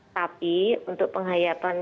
tapi untuk penghayatan